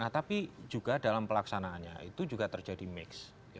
tapi juga dalam pelaksanaannya itu juga terjadi mix